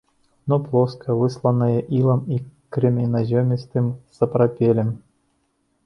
Дно плоскае, высланае ілам і крэменязёмістым сапрапелем.